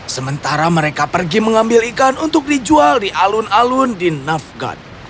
sementara mereka pergi mengambil ikan untuk dijual di alun alun di novgat